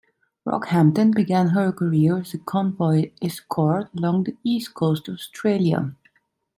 "Rockhampton" began her career as a convoy escort along the east coast of Australia.